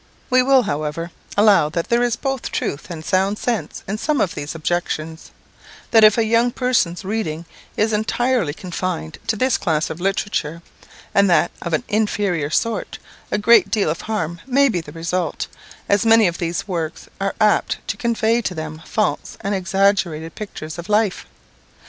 We will, however, allow that there is both truth and sound sense in some of these objections; that if a young person's reading is entirely confined to this class of literature, and that of an inferior sort, a great deal of harm may be the result, as many of these works are apt to convey to them false and exaggerated pictures of life.